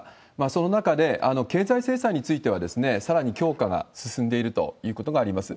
その中で、経済制裁についてはさらに強化が進んでいるということがあります。